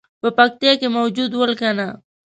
په پکتیا کې موجود ول کنه.